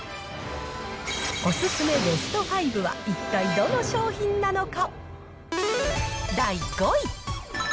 お勧めベスト５は、一体どの商品なのか。